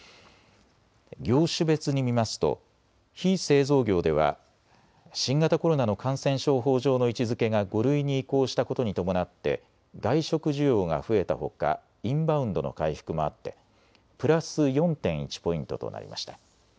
業種別に見ますと、非製造業では新型コロナの感染症法上の位置づけが５類に移行したことに伴って、外食需要が増えたほかインバウンドの回復もあってプラス４．１ポイントとなりました。